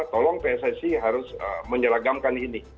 tolong pssi harus menyeragamkan ini